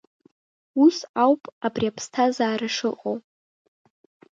Ус ауп абри аԥсҭазаара шыҟоу.